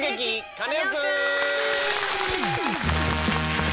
カネオくん」！